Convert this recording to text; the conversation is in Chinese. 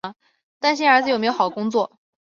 担心儿子有没有好好工作